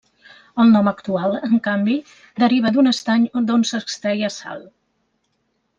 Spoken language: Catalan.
El nom actual, en canvi, deriva d'un estany d'on s'extreia sal.